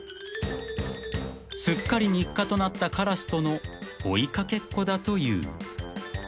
［すっかり日課となったカラスとの追い掛けっこだという］